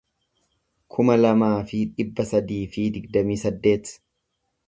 kuma lamaa fi dhibba sadii fi digdamii saddeet